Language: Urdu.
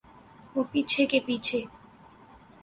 وہ پیچھے کے پیچھے۔